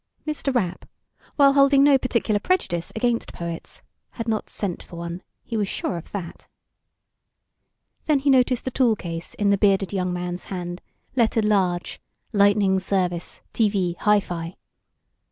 Mr. Rapp, while holding no particular prejudice against poets, had not sent for one, he was sure of that. Then he noticed the toolcase in the bearded young man's hand, lettered large LIGHTNING SERVICE, TV, HI FI.